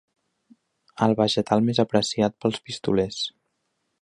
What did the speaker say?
El vegetal més apreciat pels pistolers.